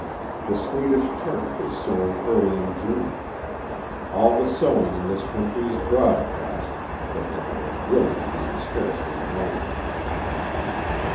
The Swedish turnip is sown early in June. All the sowing in this country is broad cast, the method of drilling being scarcely known.